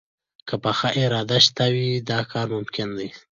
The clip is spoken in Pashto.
که پخه اراده شته وي، دا کار ممکن دی